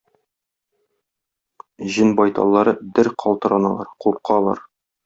Җен байталлары дер калтыраналар, куркалар.